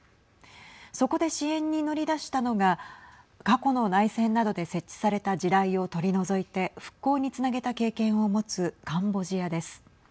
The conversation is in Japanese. そこで支援に乗り出したのが過去の内戦などで設置された地雷を取り除いて復興につなげた経験を持つカンボジアです。